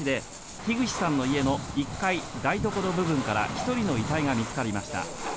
この火事で樋口さんの家の１階、台所部分から１人の遺体が見つかりました。